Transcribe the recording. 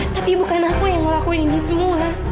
tapi bukan aku yang ngelakuin ini semua